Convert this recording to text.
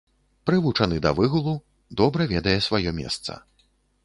Прывучаны да выгулу, добра ведае сваё месца.